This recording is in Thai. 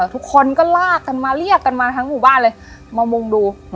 ทุกคนก็ลากกันมาเรียกกันมาทั้งหมู่บ้านเลยมามุ่งดู